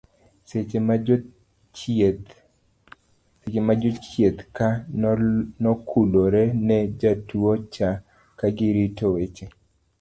seche ma jochieth ka nokulore ne jatua cha kagirito weche